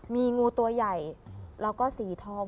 มีงูตัวใหญ่แล้วก็สีทอง